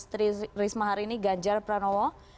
trisma harini ganjar pranowo